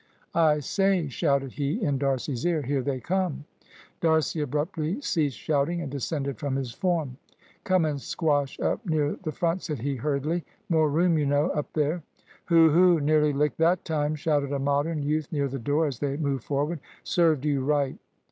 "I say," shouted he in D'Arcy's ear, "here they come!" D'Arcy abruptly ceased shouting and descended from his form. "Come and squash up near the front," said he, hurriedly; "more room, you know, up there." "Hoo, hoo! nearly licked that time," shouted a Modern youth near the door, as they moved forward. "Served you right!"